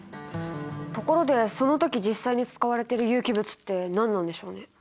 ところでその時実際に使われてる有機物って何なんでしょうね？